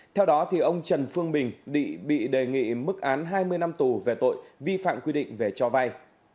theo đó ông trần phương bình bị đề nghị mức án hai mươi năm tù về tội vi phạm quy định về cho vay